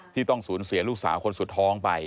ที่ต้องสูญเสียลูกสาวคนสุดท้องไป